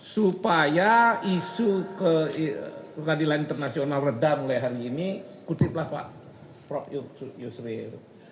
supaya isu ke kedilai internasional reda mulai hari ini kutip lah pak prof yusril